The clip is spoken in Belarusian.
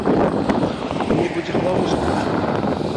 Ён мне будзе галаву скручваць!